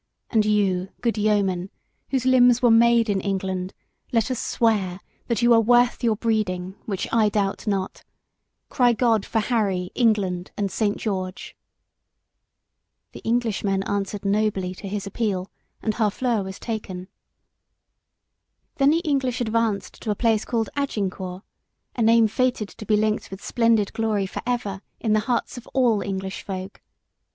And you, good yeomen, Whose limbs were made in England, let us swear That you are worth your breeding, which I doubt not; Cry God for Harry, England and Saint George." The Englishmen answered nobly to his appeal, and Harfleur was taken. Then the English advanced to a place called Agincourt, a name fated to be linked with splendid glory for ever in the hearts of all English folk.